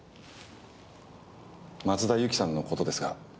松田由紀さんの事ですが。